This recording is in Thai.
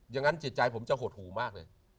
อย่างงั้นจิตใจผมจะหดหูมากเลย